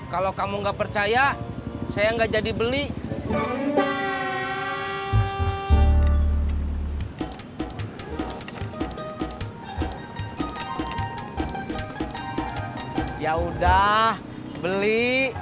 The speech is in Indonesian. kalau kamu nggak percaya saya nggak jadi beli yaudah beli